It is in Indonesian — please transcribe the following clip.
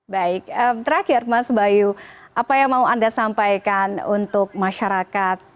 baik terakhir mas bayu apa yang mau anda sampaikan untuk masyarakat